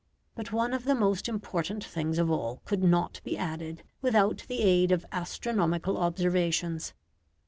But one of the most important things of all could not be added without the aid of astronomical observations.